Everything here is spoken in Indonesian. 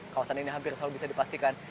kawasan ini hampir selalu bisa dipastikan